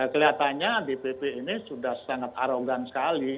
kelihatannya dpp ini sudah sangat arogan sekali